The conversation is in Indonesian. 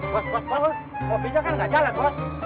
bos bos bos mobilnya kan gak jalan bos